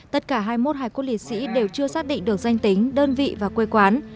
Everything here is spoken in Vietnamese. tất cả hai mươi một hải cốt liệt sĩ đều chưa xác định được danh tính đơn vị và quê quán